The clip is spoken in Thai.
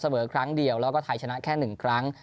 เก็บเสบอกครั้งเดียวแล้วถ่ายชนะแค่๑ครั้ง